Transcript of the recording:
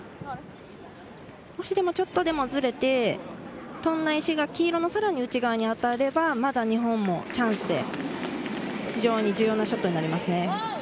ちょっとでもずれて飛んだ石が黄色のさらに内側に当たればまだ日本もチャンスで重要なショットになります。